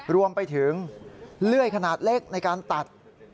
รวมไปถึงเลื่อยขนาดเล็กในการตัด